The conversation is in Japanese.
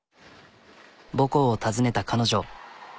母校を訪ねた彼女。